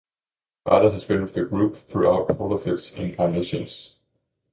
Barda has been with the group throughout all of its incarnations.